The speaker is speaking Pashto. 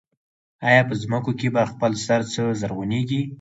آیا په ځمکو کې په خپل سر څه زرغونېږي